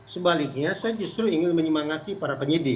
sebaliknya saya justru ingin menyemangati para penyidik